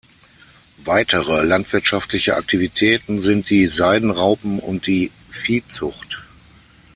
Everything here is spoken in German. Weitere landwirtschaftliche Aktivitäten sind die Seidenraupen- und die Viehzucht.